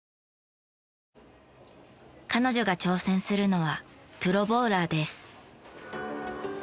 彼女が挑戦するのはプロボウラーです。